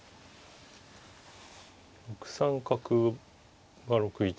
６三角は６一玉。